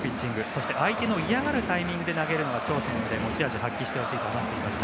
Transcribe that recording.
そして相手の嫌がるタイミングで投げるのは長所なのでも持ち味を発揮してほしいと話していました。